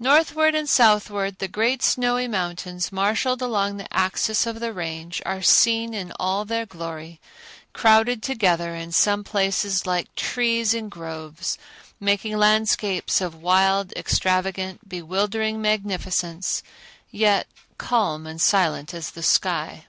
Northward and southward the great snowy mountains, marshaled along the axis of the Range, are seen in all their glory, crowded together in some places like trees in groves, making landscapes of wild, extravagant, bewildering magnificence, yet calm and silent as the sky.